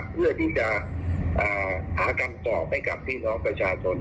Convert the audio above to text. เพื่อที่จะหาคำตอบให้กับพี่น้องประชาชน